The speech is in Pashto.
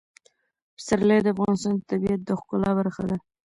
پسرلی د افغانستان د طبیعت د ښکلا برخه ده.